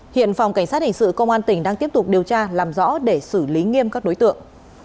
hiện phòng cảnh sát hình sự công an tỉnh đang tiếp tục điều tra làm rõ để xử lý nghiêm các đối tượng